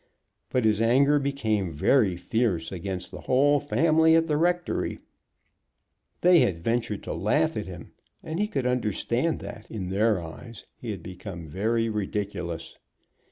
But his anger became very fierce against the whole family at the rectory. They had ventured to laugh at him, and he could understand that, in their eyes, he had become very ridiculous.